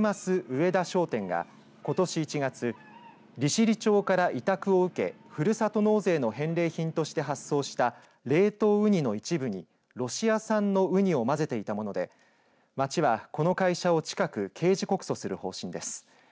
上田商店がことし１月利尻町から委託を受けふるさと納税の返礼品として発送した冷凍ウニの一部にロシア産のウニを混ぜていたもので町はこの会社を近く刑事告訴する方針です。